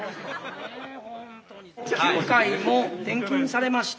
９回も転勤されました